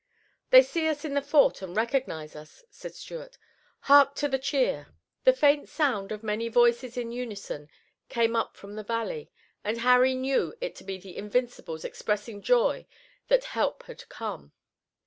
"They see us in the fort and recognize us," said Stuart. "Hark to the cheer!" The faint sound of many voices in unison came up from the valley, and Harry knew it to be the Invincibles expressing joy that help had come.